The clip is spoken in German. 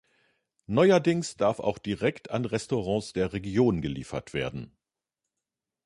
Neuerdings darf auch direkt an Restaurants der Region geliefert werden.